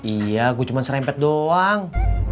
iya gue cuma serempet doang